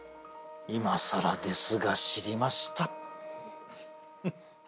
いまさらですが知りました。